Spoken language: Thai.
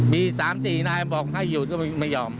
มี๓๔นายบอกให้หยุดก็ไม่ยอมไม่ยอมหยุด